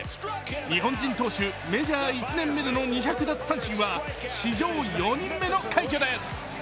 日本人投手、メジャー１年目での２００奪三振は史上４人目の快挙です。